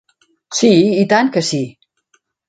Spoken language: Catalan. Sí, i tant que sí.